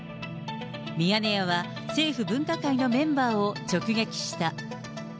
ミヤネ屋は政府分科会のメンバーを直撃した。